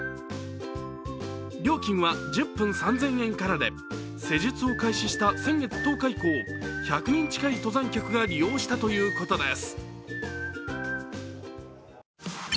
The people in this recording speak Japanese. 料金は１０分３０００円からで施術を開始した先月１０日以降、１００人近い登山客が利用したということです。